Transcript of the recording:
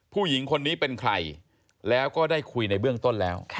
ผู้หญิงคนนี้เป็นใครคุยในเบื้องต้นแล้ว